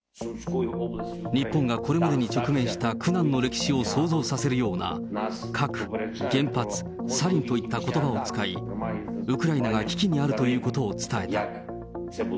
日本がこれまでに直面した苦難の歴史を想像させるような核、原発、サリンといったことばを使い、ウクライナが危機にあるということを伝えた。